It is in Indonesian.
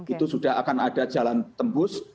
itu sudah akan ada jalan tembus